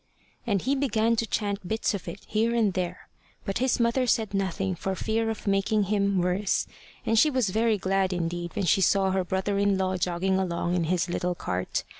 And he began to chant bits of it here and there; but his mother said nothing for fear of making him, worse; and she was very glad indeed when she saw her brother in law jogging along in his little cart.